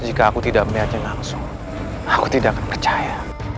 jika aku tidak memiliki wajah aku tidak akan percaya